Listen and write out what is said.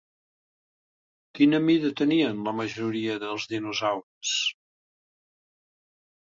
Quina mida tenien la majoria dels dinosaures?